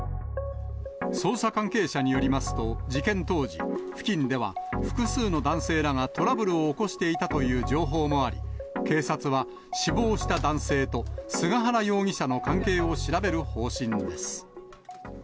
捜査関係者によりますと、事件当時、付近では複数の男性らがトラブルを起こしていたという情報もあり、警察は死亡した男性と菅原容疑者の関係を調べる方針です。